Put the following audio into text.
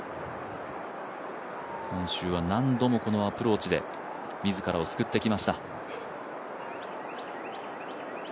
今週は何度もこのアプローチで自らを救ってきました。